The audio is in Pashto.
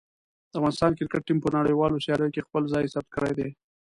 د افغانستان کرکټ ټیم په نړیوالو سیالیو کې خپله ځای ثبت کړی دی.